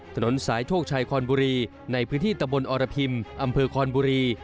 ถนนสายโชคชัยคอนบุรีในพื้นที่ตะบนอรพิมอำเภอคอนบุรี